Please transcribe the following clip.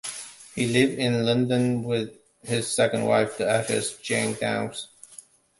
He lived in London with his second wife, the actress Jane Downs.